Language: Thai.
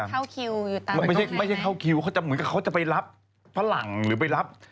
เข้าคิวอยู่ตามตรงไหนไหมไม่ใช่เข้าคิวเขาจะไปรับฝรั่งหรือไปรับ